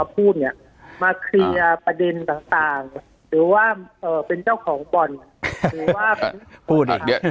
ปากกับภาคภูมิ